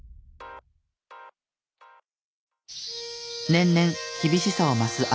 年々厳しさを増す暑さ。